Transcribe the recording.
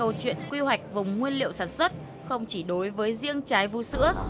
câu chuyện quy hoạch vùng nguyên liệu sản xuất không chỉ đối với riêng trái vũ sữa